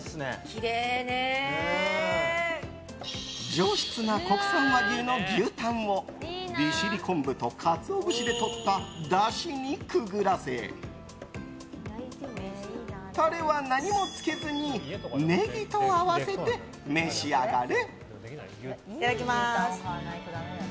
上質な国産和牛の牛タンを利尻昆布とカツオ節でとっただしにくぐらせタレは何もつけずにネギと合わせて召し上がれ。